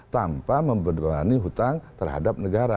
tanpa memperdonani hutang terhadap negara